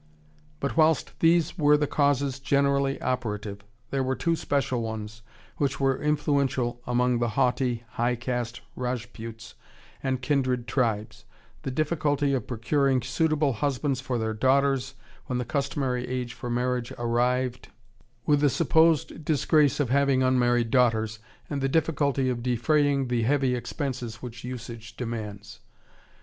But whilst these were the causes generally operative, there were two special ones, which were influential among the haughty, high caste Rajputs and kindred tribes the difficulty of procuring suitable husbands for their daughters, when the customary age for marriage arrived; with the supposed disgrace of having unmarried daughters, and the difficulty of defraying the heavy expenses which usage demands....